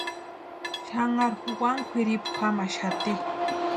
Xanharu wani kʼwiripu jamaxati.